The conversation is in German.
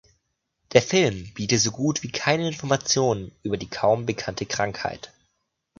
Der Film biete so gut wie keine Informationen über die kaum bekannte Krankheit.